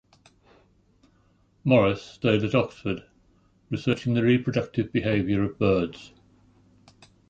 Morris stayed at Oxford, researching the reproductive behaviour of birds.